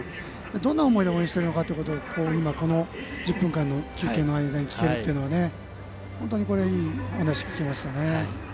どんな思いで応援しているのかを今、この１０分間の休憩の間に聞けるのは本当に、いいお話を聞けましたね。